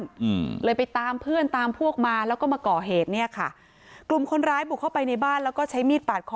อืมเลยไปตามเพื่อนตามพวกมาแล้วก็มาก่อเหตุเนี้ยค่ะกลุ่มคนร้ายบุกเข้าไปในบ้านแล้วก็ใช้มีดปาดคอ